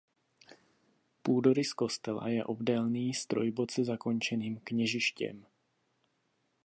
Půdorys kostela je obdélný s trojboce zakončeným kněžištěm.